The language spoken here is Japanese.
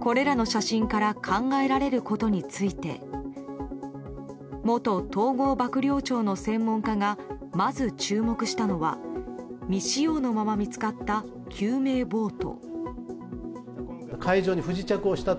これらの写真から考えられることについて元統合幕僚長の専門家がまず注目したのは未使用のまま見つかった救命ボート。